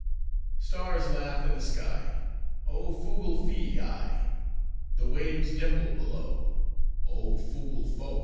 — Stars laugh in the sky: Oh fugle fi I The waves dimple below: Oh fugle fo!